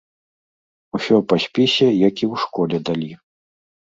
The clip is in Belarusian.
Усё па спісе, які ў школе далі.